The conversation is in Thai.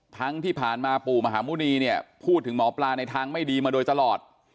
ที่ผ่านมาปู่มหาหมุณีเนี่ยพูดถึงหมอปลาในทางไม่ดีมาโดยตลอด